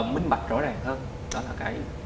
minh mạch rõ ràng hơn đó là cái